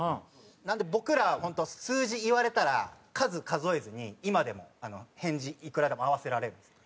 なので僕らホント数字言われたら数数えずに今でも返事いくらでも合わせられるんですよ。